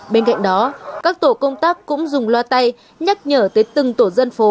bên cạnh đó các tổ công tác cũng dùng loa tay nhắc nhở tới từng tổ dân phố